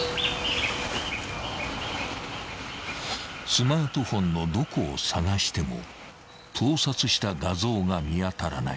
［スマートフォンのどこを探しても盗撮した画像が見当たらない］